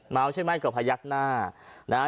เมาใช่ไหมก็พยักหน้า